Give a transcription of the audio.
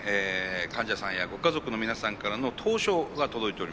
患者さんやご家族の皆さんからの投書が届いております。